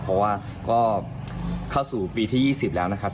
เพราะว่าก็เข้าสู่ปีที่๒๐แล้วนะครับ